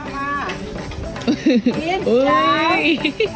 ขับคอน